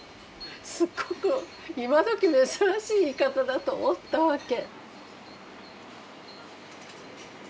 すっごく今どき珍しい言い方だと思ったわけ。